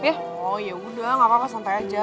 eh oh yaudah gak apa apa santai aja